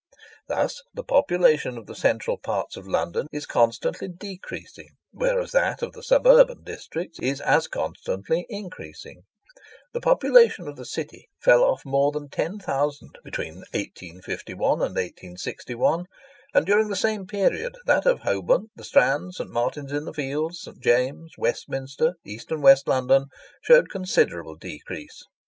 Thus the population of the central parts of London is constantly decreasing, whereas that of the suburban districts is as constantly increasing. The population of the City fell off more than 10,000 between 1851 and 1861; and during the same period, that of Holborn, the Strand, St. Martin's in the Fields, St. James's, Westminster, East and West London, showed a considerable decrease.